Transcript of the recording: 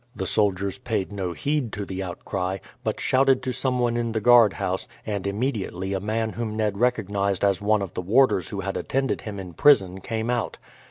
The soldiers paid no heed to the outcry, but shouted to someone in the guard house, and immediately a man whom Ned recognized as one of the warders who had attended him in prison came out.